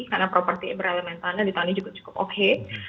karena properti berelementannya di tahun ini cukup oke